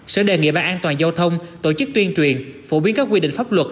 sở đề nghị ban an toàn giao thông tổ chức tuyên truyền phổ biến các quy định pháp luật